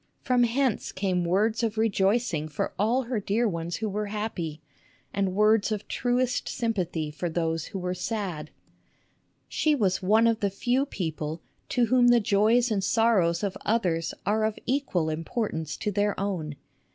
From hence came words of rejoicing for all her dear ones who were happy, and words of truest xiv SUSAN COOLIDGE sympathy for those who were sad. She was one of the few people to whom the joys and sorrows of others are of equal importance to their own.